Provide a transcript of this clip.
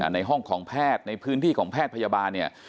ในห้องของแพทย์ในพื้นที่ของแพทย์พยาบาลเนี่ย